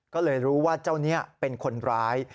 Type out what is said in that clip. ก็เลยรู้ว่าเจ้านี้เป็นคนร้าย